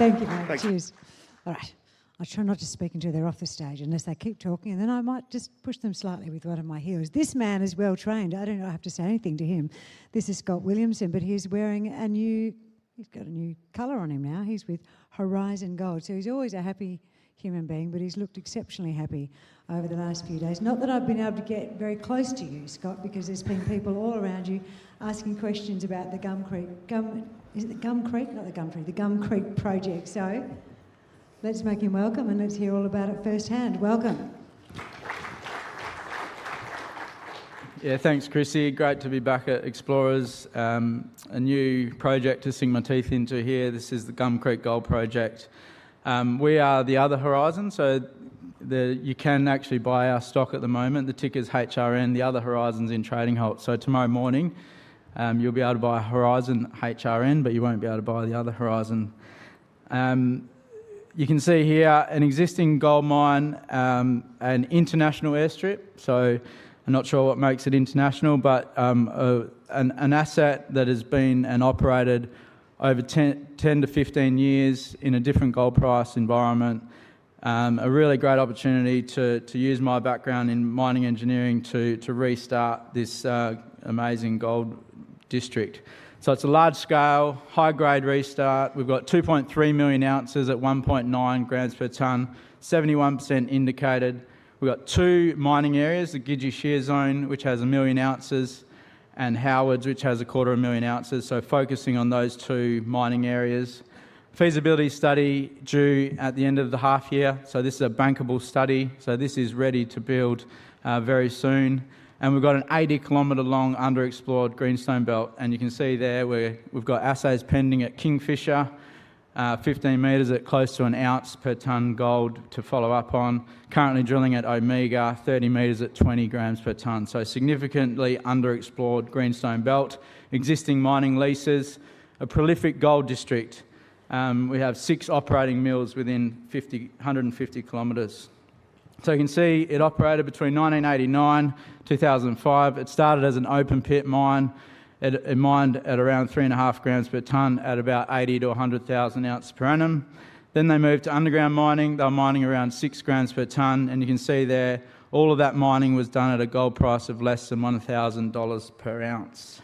Thank you very much. Cheers. All right. I'll try not to speak until they're off the stage, unless they keep talking, and then I might just push them slightly with one of my heels. This man is well-trained. I don't know if I have to say anything to him. This is Scott Williamson, but he's wearing a new, he's got a new color on him now. He's with Horizon Gold. So he's always a happy human being, but he's looked exceptionally happy over the last few days. Not that I've been able to get very close to you, Scott, because there's been people all around you asking questions about the Gum Creek. Gum... Is it the Gum Creek? Not the Gum Creek, the Gum Creek project. So let's make him welcome, and let's hear all about it firsthand. Welcome. Yeah, thanks, Chrissy. Great to be back at Explorers. A new project to sink my teeth into here. This is the Gum Creek Gold Project. We are the other Horizon, so the-- you can actually buy our stock at the moment. The ticker's HRN, the other Horizon's in trading halt. So tomorrow morning, you'll be able to buy Horizon, HRN, but you won't be able to buy the other Horizon. You can see here an existing gold mine, an international airstrip. So I'm not sure what makes it international, but an asset that has been and operated over 10 years, 10-15 years in a different gold price environment. A really great opportunity to use my background in mining engineering to restart this amazing gold district. So it's a large-scale, high-grade restart. We've got 2.3 million oz at 1.9 g per tonne, 71% Indicated. We've got two mining areas, the Gidgee Shear Zone, which has 1 million oz, and Howards, which has 0.25 million ounces, so focusing on those two mining areas. Feasibility study due at the end of the half year, so this is a bankable study, so this is ready to build very soon. And we've got an 80 km long underexplored Greenstone Belt, and you can see there where we've got assays pending at Kingfisher, 15 m at close to 1 oz per tonne gold to follow up on. Currently drilling at Omega, 30 m at 20 g per tonne, so significantly underexplored Greenstone Belt, existing mining leases, a prolific gold district. We have six operating mills within 50 km-150 km So you can see it operated between 1989-2005. It started as an open-pit mine. It mined at around 3.5 g per tonne at about 80,000-100,000 ounces per annum. Then they moved to underground mining. They were mining around 6 g per tonne, and you can see there, all of that mining was done at a gold price of less than $1,000 per ounce.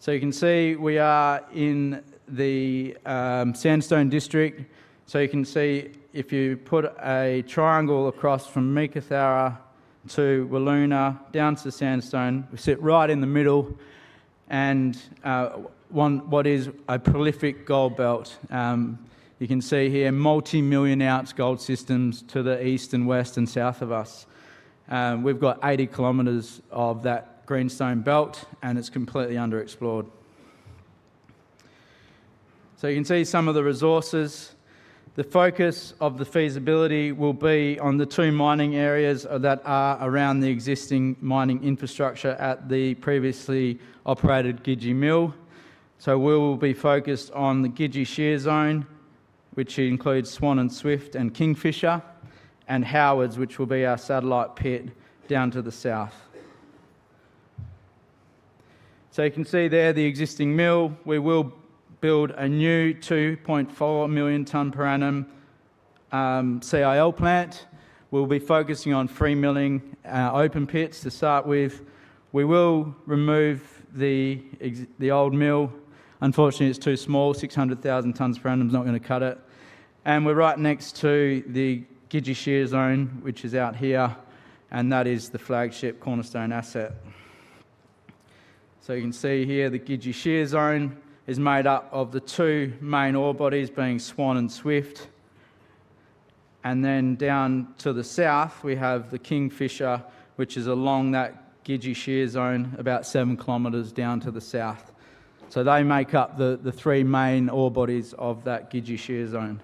So you can see we are in the Sandstone District. So you can see if you put a triangle across from Meekatharra to Wiluna, down to Sandstone, we sit right in the middle and what is a prolific gold belt. You can see here multi-million ounce gold systems to the east and west and south of us. We've got 80 km of that Greenstone Belt, and it's completely underexplored. So you can see some of the resources. The focus of the feasibility will be on the two mining areas that are around the existing mining infrastructure at the previously operated Gidgee Mill. So we will be focused on the Gidgee Shear Zone, which includes Swan and Swift and Kingfisher, and Howards, which will be our satellite pit down to the south. So you can see there the existing mill. We will build a new 2.4 million tonne per annum CIL plant. We'll be focusing on free milling open pits to start with. We will remove the old mill. Unfortunately, it's too small. 600,000 tonnes per annum is not going to cut it. We're right next to the Gidgee Shear Zone, which is out here, and that is the flagship cornerstone asset. So you can see here, the Gidgee Shear Zone is made up of the two main ore bodies, being Swan and Swift. And then down to the south, we have the Kingfisher, which is along that Gidgee Shear Zone, about seven kilometers down to the south. So they make up the three main ore bodies of that Gidgee Shear Zone.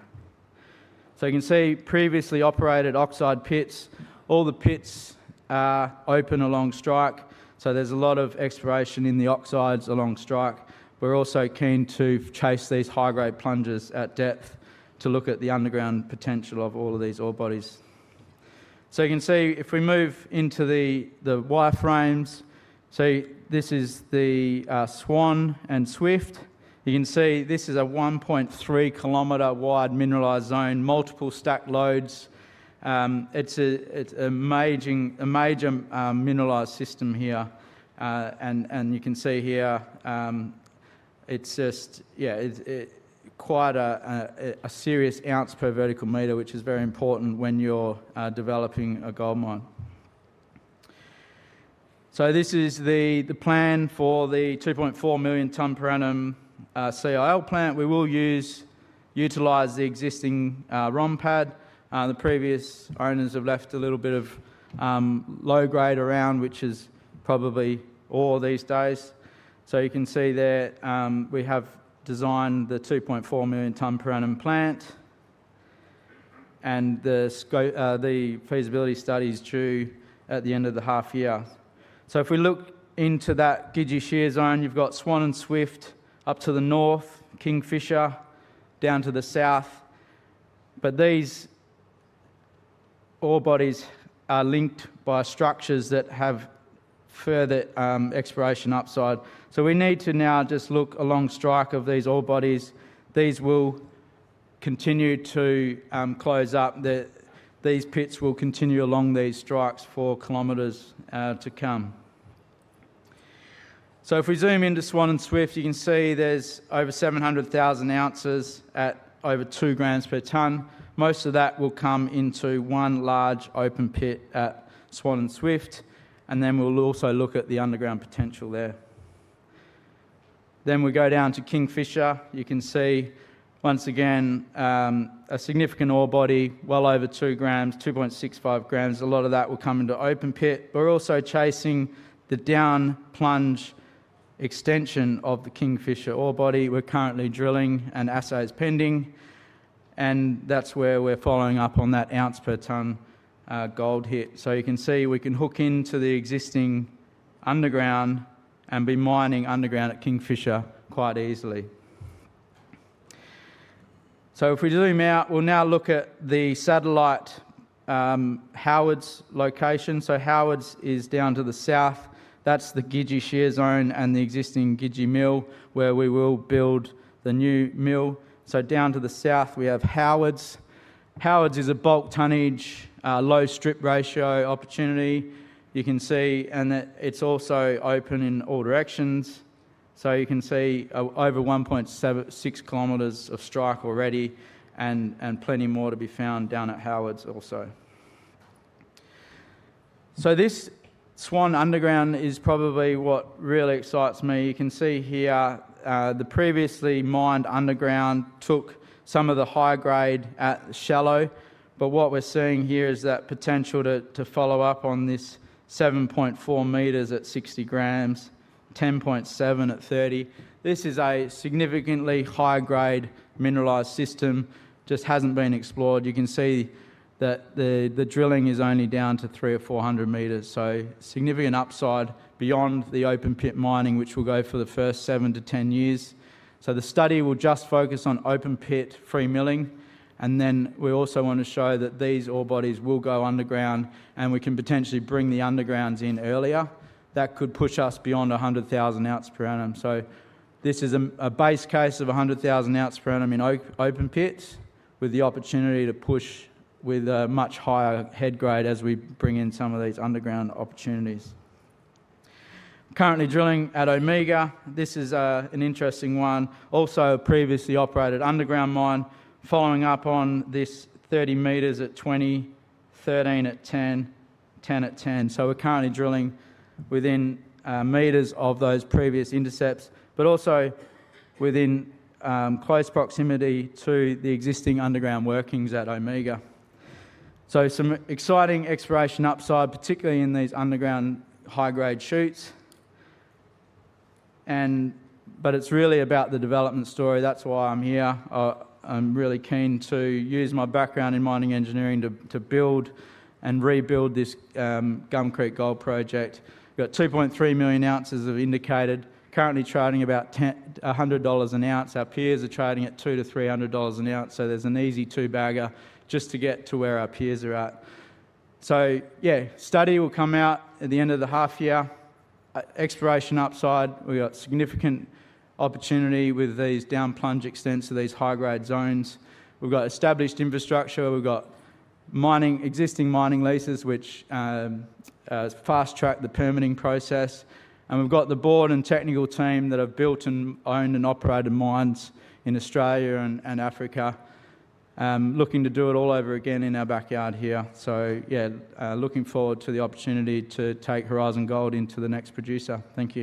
So you can see previously operated oxide pits. All the pits are open along strike, so there's a lot of exploration in the oxides along strike. We're also keen to chase these high-grade plungers at depth to look at the underground potential of all of these ore bodies. So you can see, if we move into the wireframes, so this is the Swan and Swift. You can see this is a 1.3 km wide mineralized zone, multiple stack loads. It's a major mineralized system here. And you can see here, it's just quite a serious ounce per vertical meter, which is very important when you're developing a gold mine. So this is the plan for the 2.4 million tonne per annum CIL plant. We will use, utilize the existing ROM pad. The previous owners have left a little bit of low grade around, which is probably ore these days. So you can see there, we have designed the 2.4 million tonne per annum plant, and the feasibility study is due at the end of the half year. So if we look into that Gidgee Shear Zone, you've got Swan and Swift up to the north, Kingfisher down to the south. But these ore bodies are linked by structures that have further exploration upside. So we need to now just look along strike of these ore bodies. These will continue to close up. These pits will continue along these strikes for kilometers to come. So if we zoom into Swan and Swift, you can see there's over 700,000 oz at over 2 g per tonne. Most of that will come into one large open pit at Swan and Swift, and then we'll also look at the underground potential there. Then we go down to Kingfisher. You can see once again a significant ore body, well over 2 g, 2.65 g. A lot of that will come into open pit, but we're also chasing the down plunge extension of the Kingfisher ore body. We're currently drilling and assay is pending, and that's where we're following up on that ounce per tonne gold hit. So you can see we can hook into the existing underground and be mining underground at Kingfisher quite easily. So if we zoom out, we'll now look at the satellite Howards location. So Howards is down to the south. That's the Gidgee Shear Zone and the existing Gidgee Mill, where we will build the new mill. So down to the south, we have Howards. Howards is a bulk tonnage low strip ratio opportunity. You can see, and it, it's also open in all directions. So you can see over 1.76 km of strike already and plenty more to be found down at Howards also. So this Swan underground is probably what really excites me. You can see here, the previously mined underground took some of the high grade at shallow, but what we're seeing here is that potential to follow up on this 7.4 m at 60 g, 10.7 at 30. This is a significantly high-grade mineralized system, just hasn't been explored. You can see that the drilling is only down to 300 m or 400 m, so significant upside beyond the open pit mining, which will go for the first seven to 10 years. So the study will just focus on open pit, free milling, and then we also want to show that these ore bodies will go underground, and we can potentially bring the undergrounds in earlier. That could push us beyond 100,000 oz per annum. So this is a base case of 100,000 oz per annum in open pits, with the opportunity to push with a much higher head grade as we bring in some of these underground opportunities. Currently drilling at Omega, this is an interesting one. Also, a previously operated underground mine, following up on this 30 m at 20, 13 at 10, 10 at 10. So we're currently drilling within meters of those previous intercepts, but also within close proximity to the existing underground workings at Omega. So some exciting exploration upside, particularly in these underground high-grade shoots and... But it's really about the development story. That's why I'm here. I'm really keen to use my background in mining engineering to build and rebuild this Gum Creek Gold Project. We've got 2.3 million oz of indicated, currently trading about 10-100 dollars an ounce. Our peers are trading at 200-300 dollars an ounce, so there's an easy two-bagger just to get to where our peers are at. So yeah, study will come out at the end of the half year. Exploration upside, we've got significant opportunity with these down plunge extents to these high-grade zones. We've got established infrastructure, we've got mining, existing mining leases, which fast-track the permitting process, and we've got the board and technical team that have built and owned and operated mines in Australia and Africa. Looking to do it all over again in our backyard here. So yeah, looking forward to the opportunity to take Horizon Gold into the next producer. Thank you.